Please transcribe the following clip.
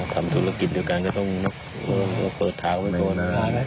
ทำธุรกิจเดียวกันต้องเปิดท้านไว้ก่อนนะครับ